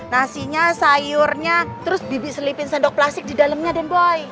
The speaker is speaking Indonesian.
nasinya sayurnya terus bibi selipin sandok plastik di dalamnya den boy